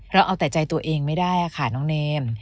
เราเอาแต่ใจตัวเองไม่ได้ค่ะน้องเนม